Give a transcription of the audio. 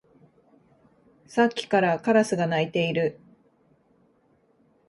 さっきからカラスが鳴いている